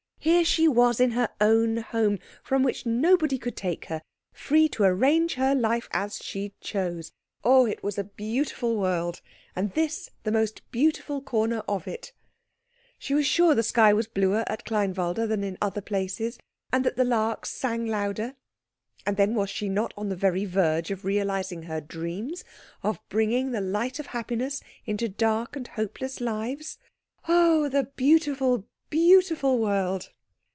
Here she was in her own home, from which nobody could take her, free to arrange her life as she chose. Oh, it was a beautiful world, and this the most beautiful corner of it! She was sure the sky was bluer at Kleinwalde than in other places, and that the larks sang louder. And then was she not on the very verge of realising her dreams of bringing the light of happiness into dark and hopeless lives? Oh, the beautiful, beautiful world!